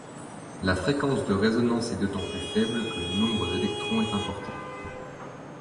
La fréquence de résonance est d'autant plus faible que le nombre d'électrons est important.